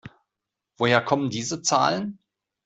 Woher kommen diese Zahlen?